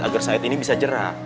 agar said ini bisa jerah